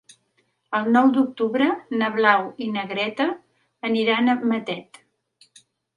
El nou d'octubre na Blau i na Greta aniran a Matet.